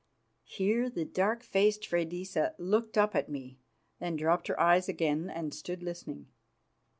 Here the dark faced Freydisa looked up at me, then dropped her eyes again, and stood listening.